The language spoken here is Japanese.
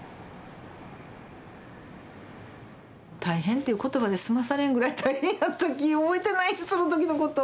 大変っていう言葉で済まされんぐらい大変やったき覚えてないその時のこと。